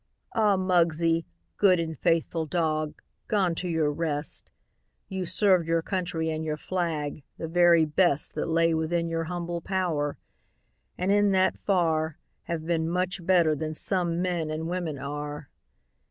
Ah, Muggsie, good and faithful dog, Gone to your rest! You served your country and your flag The very best That lay within your humble power, And in that far Have been much better than some men And women are.